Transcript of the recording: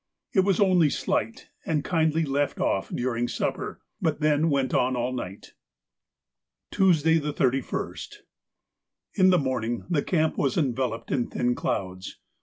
It was only slight, and kindly left off during supper, but then went on all night. Tuesday, the 31st.—In the morning the camp was enveloped in thin clouds.